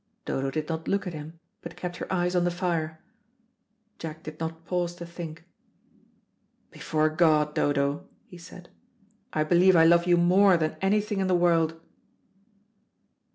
Dodo did not look at him, but kept her eyes on the fire. Jack did not pause to think. "Before God, Dodo,", he said, "I believe I love you more than anything in the world."